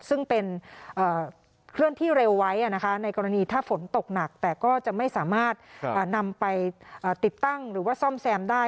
ซึ่งเป็นเคลื่อนที่เร็วไว้ในกรณีถ้าฝนตกหนักแต่ก็จะไม่สามารถนำไปติดตั้งหรือว่าซ่อมแซมได้